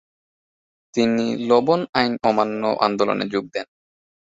তিনি লবণ আইন অমান্য আন্দোলনে যোগ দেন।